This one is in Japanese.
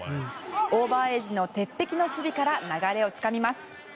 オーバーエージの鉄壁の守備から流れをつかみます。